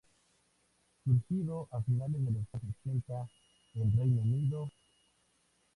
Surgido a finales de los años ochenta en el Reino Unido.